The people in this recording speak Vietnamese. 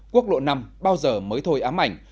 quốc lộ năm bao giờ mới thôi ám ảnh